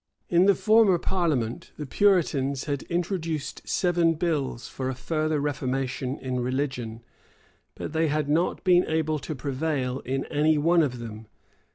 In the former parliament, the Puritans had introduced seven bills for a further reformation in religion; but they had not been able to prevail in any one of them.